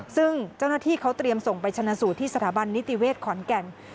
ซึ่งเจ้าหน้าที่เขาเตรียมส่งไปชนะสูตรที่สถาบันนิติเวศขอนแก่น